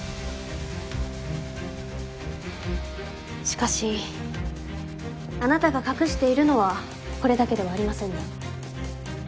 しかしあなたが隠しているのはこれだけではありませんね？